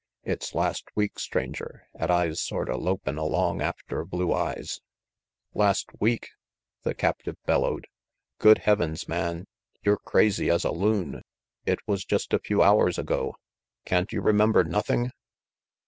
It's last week, Stranger,' at I's sorta lopin' along after Blue Eyes "Last week?" the captive bellowed. "Good heavens, man, you're crazy as a loon! It was just a few hours ago. Can't you remember nothing?"